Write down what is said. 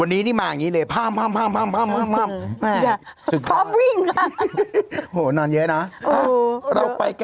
วันนี้นี่มาอย่างนี้เลย